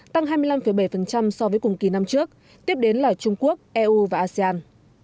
tăng hai mươi năm bảy so với cùng kỳ năm trước tiếp đến là trung quốc eu và asean